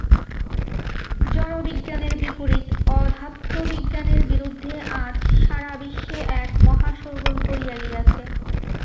জড়বিজ্ঞানের বিপরীত অধ্যাত্ম বিজ্ঞানের বিরুদ্ধে আজ সারা বিশ্বে এক মহা সোরগোল পড়িয়া গিয়াছে।